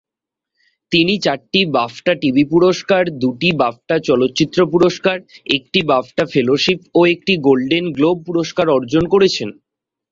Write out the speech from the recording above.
তিনি চারটি BAFTA TV পুরস্কার, দুটি বাফটা চলচ্চিত্র পুরস্কার, একটি বাফটা ফেলোশিপ ও একটি গোল্ডেন গ্লোব পুরস্কার অর্জন করেছেন।